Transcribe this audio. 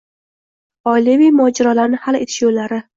Oilaviy mojarolarni hal etish yo‘llari.